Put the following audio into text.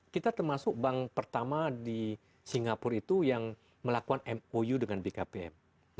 kita termasuk bank pertama di singapura itu yang melakukan mou dengan bkpm